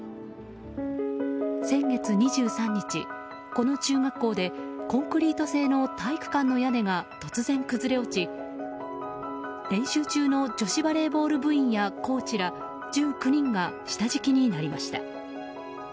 先月３日、この中学校でコンクリート製の体育館の屋根が突然崩れ落ち練習中の女子バレーボール部員やコーチら１９人が下敷きになりました。